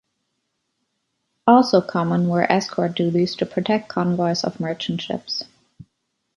Also common were escort duties to protect convoys of merchant ships.